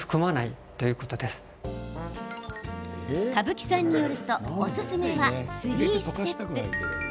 蕪木さんによるとおすすめは３ステップ。